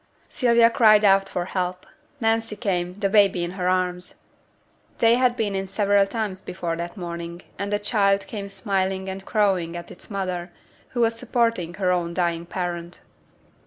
Sylvia cried out for help; Nancy came, the baby in her arms. They had been in several times before that morning; and the child came smiling and crowing at its mother, who was supporting her own dying parent.